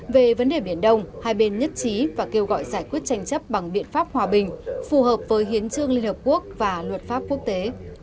về vấn đề biển đông hai bên nhất trí và kêu gọi giải quyết tranh chấp bằng biện pháp hòa bình phù hợp với hiến trương liên hợp quốc và luật pháp quốc tế